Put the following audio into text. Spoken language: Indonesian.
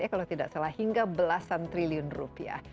kalau tidak salah hingga belasan triliun rupiah